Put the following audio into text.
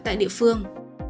tại địa phương